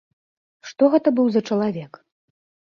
Што гэта быў за чалавек?